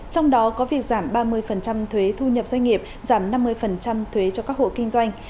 trong đó có việc giảm ba mươi thuế thu nhập doanh nghiệp giảm năm mươi thuế cho các hộ kinh doanh